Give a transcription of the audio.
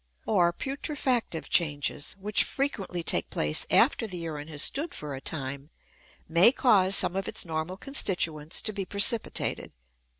Or, putrefactive changes which frequently take place after the urine has stood for a time may cause some of its normal constituents to be precipitated.